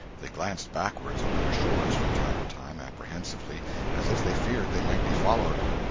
They glanced backward over their shoulders from time to time, apprehensively, as if they feared they might be followed.